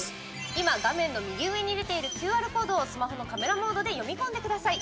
今、画面の右上に出ているＱＲコードをスマホのカメラモードで読み込んでください。